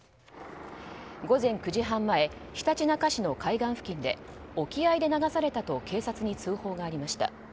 午前９時半前ひたちなか市の海岸付近で沖合で流されたと警察に通報がありました。